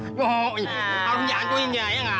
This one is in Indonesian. harus dihancurin aja ya nggak